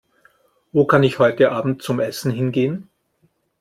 Wo kann ich heute Abend zum Essen hingehen?